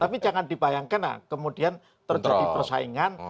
tapi jangan dibayangkan kemudian terjadi persaingan